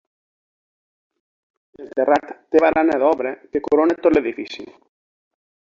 El terrat té barana d’obra que corona tot l’edifici.